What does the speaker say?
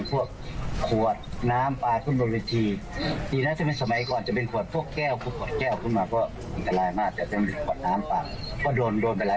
แต่บางคนก็ไม่เข้าใจแล้วก็อารมณ์มันค้างกำลังอยากสนุกนะคะ